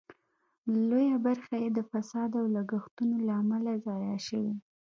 لویه برخه یې د فساد او لګښتونو له امله ضایع شوې.